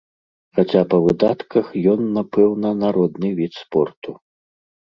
Хаця па выдатках ён, напэўна, народны від спорту.